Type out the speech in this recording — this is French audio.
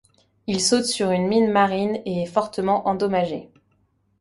Il saute sur une mine marine et est fortement endommagé.